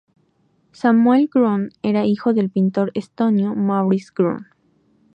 Samuel Grün era hijo del pintor estonio Maurice Grün.